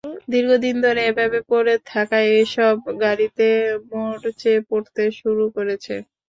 দীর্ঘদিন ধরে এভাবে পড়ে থাকায় এসব গাড়িতে মরচে পড়তে শুরু করেছে।